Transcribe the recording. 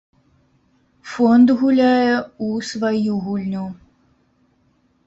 Фонд гуляе у сваю гульню.